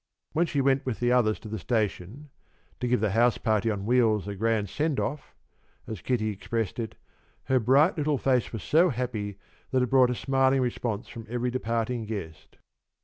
When she went with the others to the station "to give the house party on wheels a grand send off," as Kitty expressed it, her bright little face was so happy that it brought a smiling response from every departing guest.